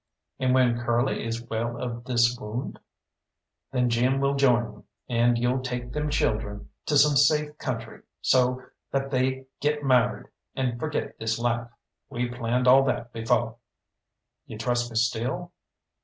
"And when Curly is well of this wound?" "Then Jim will join you, and you'll take them children to some safe country, so that they get mar'ied and forget this life. We planned all that befo'." "You trust me still?"